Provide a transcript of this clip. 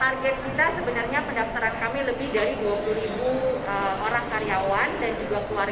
target kita sebenarnya pendaftaran kami lebih dari dua puluh ribu orang per hari